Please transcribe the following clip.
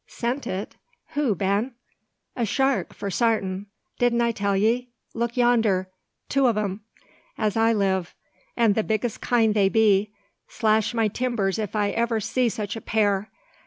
"Sent it! Who, Ben?" "A shark, for sarten. Didn't I tell ye? Look yonder. Two o' them, as I live; and the biggest kind they be. Slash my timbers if I iver see such a pair!